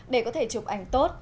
để có thể chụp ảnh tốt